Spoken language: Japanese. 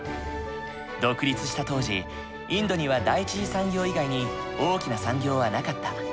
独立した当時インドには第一次産業以外に大きな産業はなかった。